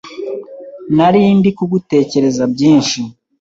Nari ndi kugutekereza byinshi